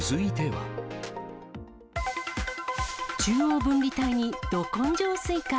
中央分離帯にど根性スイカ。